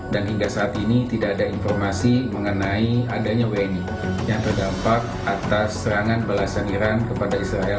dan hingga saat ini tidak ada informasi mengenai adanya wni yang terdampak atas serangan balasan iran kepada israel